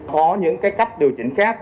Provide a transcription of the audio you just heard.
có những cái cách điều chỉnh khác